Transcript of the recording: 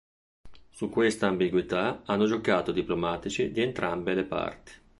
Su questa ambiguità hanno giocato i diplomatici di entrambe le parti.